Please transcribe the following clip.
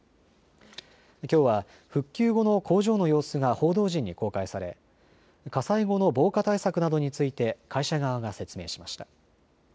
きょうは復旧後の工場の様子が報道陣に公開され火災後の防火対策などについて会社側が説明しました。